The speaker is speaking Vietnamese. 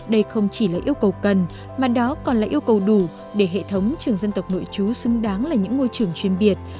đây không chỉ là yêu cầu cần mà đó còn là yêu cầu đủ để hệ thống trường dân tộc nội chú xứng đáng là những ngôi trường chuyên biệt